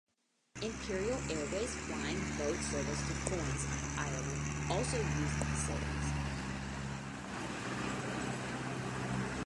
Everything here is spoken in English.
Imperial Airways flying boat service to Foynes, Ireland also used the facilities.